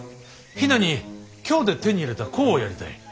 比奈に京で手に入れた香をやりたい。